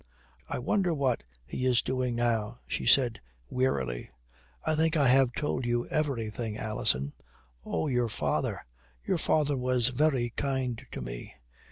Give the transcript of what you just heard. "I wonder what he is doing now?" she said wearily. "I think I have told you everything, Alison. Oh! Your father. Your father was very kind to me.